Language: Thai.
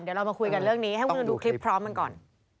เดี๋ยวเรามาคุยกันเรื่องนี้ให้คุณผู้ชมดูคลิปพร้อมกันก่อน